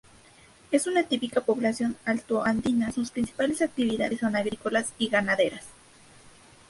Es una típica población altoandina; sus principales actividades son agrícolas y ganaderas.